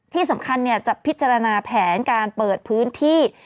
ที่สำคัญจะพิจารณาแผนการเปิดพื้นที่